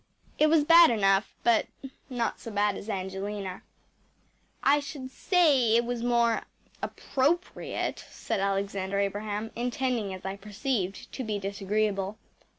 It was bad enough, but not so bad as Angelina.‚ÄĚ “I should say it was more appropriate,‚ÄĚ said Alexander Abraham, intending, as I perceived, to be disagreeable.